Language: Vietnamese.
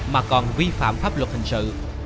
mà còn vi phạm pháp luật hình sự